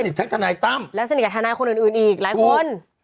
ทั้งทนายตั้มและสนิทกับทนายคนอื่นอีกหลายคน